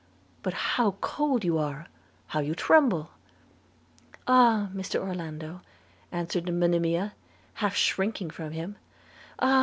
But how cold you are! how you tremble!' 'Ah! Mr Orlando,' answered Monimia, half shrinking from him, 'ah!